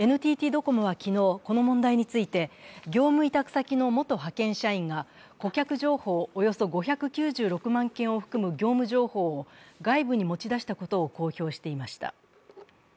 ＮＴＴドコモは昨日、この問題について業務委託先の元派遣社員が顧客情報およそ５９６万件を含む業務情報を外部に持ち出したことを公表していました。